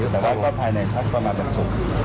แต่ว่าก็ภายในชัดมาเป็นศุมิก